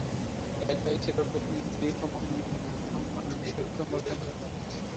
এটিই ছিল প্রথম স্ত্রী-সমকামী ভ্যাম্পায়ার বিষয়ের প্রথম রচনা।